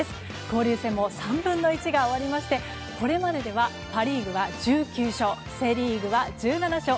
交流戦も３分の１が終わりましてこれまでではパ・リーグは１９勝セ・リーグは１７勝。